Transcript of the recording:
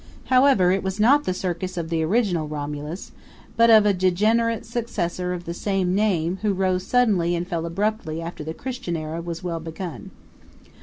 However, it was not the circus of the original Romulus, but of a degenerate successor of the same name who rose suddenly and fell abruptly after the Christian era was well begun.